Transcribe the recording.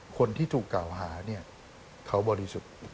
คนที่ถูกเก่าหาเขาบริสุทธิ์